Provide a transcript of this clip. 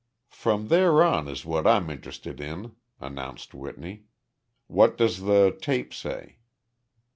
"From there on is what I'm interested in," announced Whitney. "What does the tape say?"